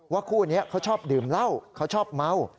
คู่นี้เขาชอบดื่มเหล้าเขาชอบเมา